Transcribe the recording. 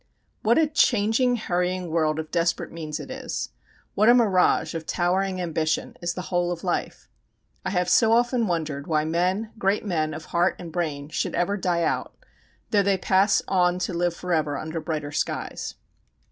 What a changing, hurrying world of desperate means it is. What a mirage of towering ambition is the whole of life! I have so often wondered why men, great men of heart and brain, should ever die out, though they pass on to live forever under brighter skies.